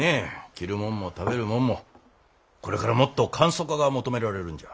着るもんも食べるもんもこれからもっと簡素化が求められるんじゃ。